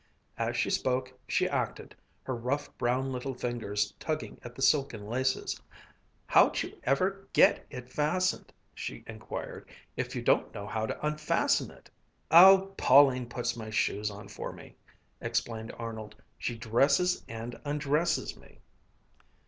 As she spoke, she acted, her rough brown little fingers tugging at the silken laces. "How'd you ever get it fastened," she inquired, "if you don't know how to unfasten it?" "Oh, Pauline puts my shoes on for me," explained Arnold. "She dresses and undresses me."